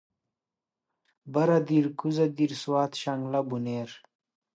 بره دير کوزه دير سوات شانګله بونير